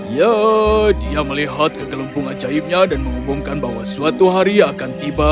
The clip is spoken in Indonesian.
ya dia melihat kegelumpung ajaibnya dan menghubungkan bahwa suatu hari ia akan tiba